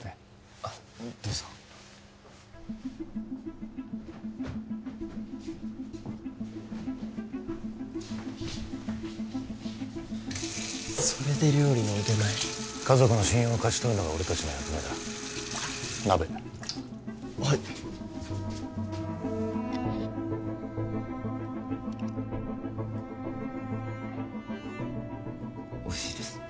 あどうぞそれで料理の腕前家族の信用を勝ち取るのが俺達の役目だ鍋はいおいしいです